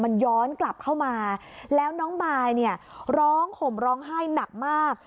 มันย้อนกลับเข้ามาแล้วน้องมายเนี่ยร้องห่มร้องไห้หนักมาก